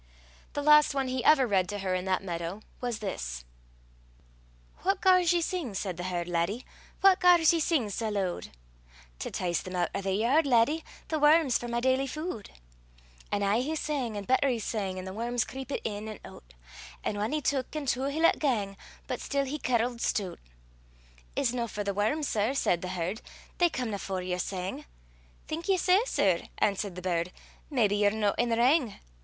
The last one he ever read to her in that meadow was this: What gars ye sing, said the herd laddie, What gars ye sing sae lood? To tice them oot o' the yaird, laddie, The worms, for my daily food. An' aye he sang, an' better he sang, An' the worms creepit in an' oot; An' ane he tuik, an' twa he loot gang, But still he carolled stoot. It's no for the worms, sir, said the herd, They comena for yer sang. Think ye sae, sir? answered the bird, Maybe ye're no i' the wrang.